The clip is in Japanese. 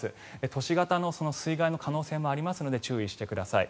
都市型の水害の可能性もありますので注意してください。